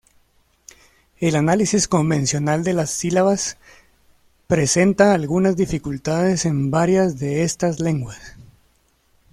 El análisis convencional de las sílabas presenta algunas dificultades en varias de estas lenguas.